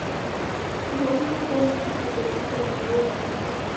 Su formación musical y el espíritu de triunfo lo mantuvieron activo hasta su muerte.